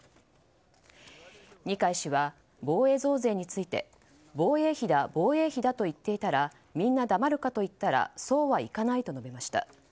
二階氏は防衛増税について防衛費だ、防衛費だと言っていたらみんな黙るかと言ったらそうはいかないと述べました。